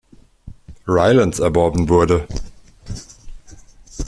Rylands erworben wurde.